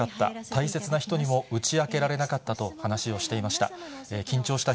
大切な人にも打ち明けられなかったと、話をしていました。